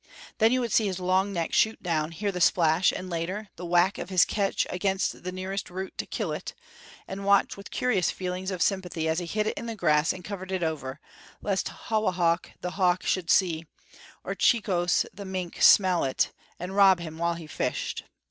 Then you would see his long neck shoot down, hear the splash and, later, the whack of his catch against the nearest root, to kill it; and watch with curious feelings of sympathy as he hid it in the grass and covered it over, lest Hawahak the hawk should see, or Cheokhes the mink smell it, and rob him while he fished.